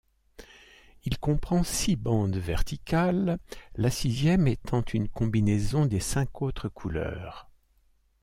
Il comprend six bandes verticales, la sixième étant une combinaison des cinq autres couleurs.